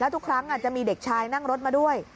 ทุกครั้งจะมีเด็กชายนั่งรถมาด้วย